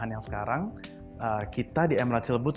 yang sekarang kita di emerald cilebut